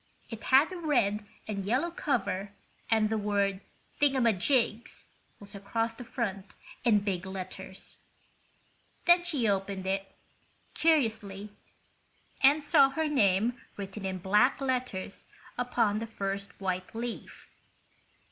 It had a red and yellow cover and the word "Thingamajigs" was across the front in big letters. Then she opened it, curiously, and saw her name written in black letters upon the first white leaf.